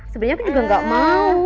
sebenarnya aku juga gak mau